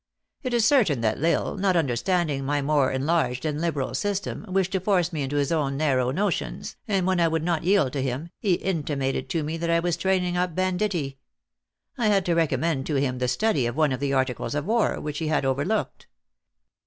It is certain that L lsle, not understanding my more enlarged and liberal system, wished to force me into his own narrow notions, and when I would not yield to him, he intimated to me that 1 was train ing up banditti. I had to recommend to him the study of one of the articles of war, which he had overlooked.